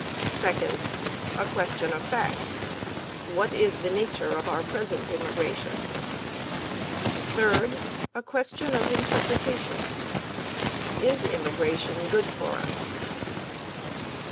Second: A question of fact: What is the nature of our present immigration? Third: A question of interpretation: Is immigration good for us?